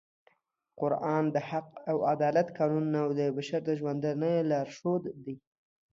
قرآن د حق او عدالت قانون او د بشر د ژوندانه لارښود دی